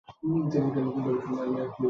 ব্যাস তৈরি হয়ে যাবে কালোজিরায় আলু ভর্তা।